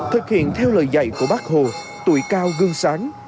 thực hiện theo lời dạy của bác hồ tuổi cao gương sáng